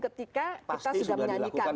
ketika kita sudah menyanyikan